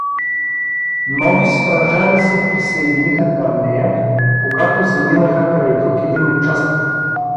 Нови стражари се присъединиха към нея, когато заминаха край друг един участък.